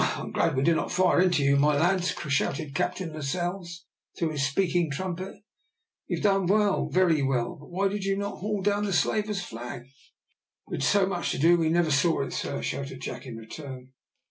"I am glad we did not fire into you, my lads," shouted Captain Lascelles through his speaking trumpet. "You've done well very well, but why did not you haul down the slaver's flag?" "We'd so much to do, we never saw it, sir," shouted Jack in return.